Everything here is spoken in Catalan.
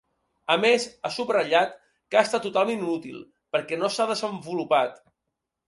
A més, ha subratllat que ha estat “totalment inútil” perquè no s’ha desenvolupat.